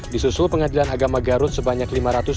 disusul pengadilan agama garut sebanyak lima ratus tujuh puluh